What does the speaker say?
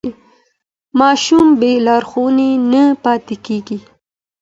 ماشوم بې لارښوونې نه پاته کېږي.